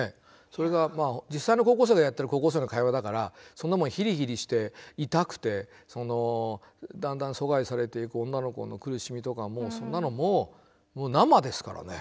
それが実際の高校生がやってる高校生の会話だからそんなものヒリヒリして痛くてだんだん疎外されていく女の子の苦しみとかもうそんなのももう生ですからね。